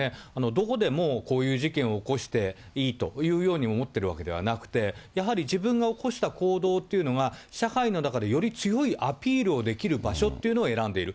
どこでもこういう事件を起こしていいというように思っているわけではなくて、やはり自分が起こした行動というのが社会の中でより強いアピールをできる場所というのを選んでいる。